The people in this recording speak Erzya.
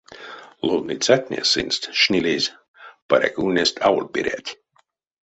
Ловныцятне сынст шнылизь, паряк, ульнесть аволь берянть.